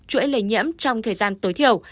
chuỗi lề nhiễm trong thời gian tối thiểu